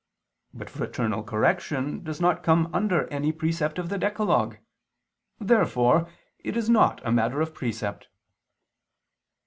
But fraternal correction does not come under any precept of the Decalogue. Therefore it is not a matter of precept.